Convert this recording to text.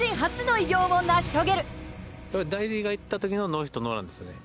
大リーグ行った時のノーヒットノーランですね。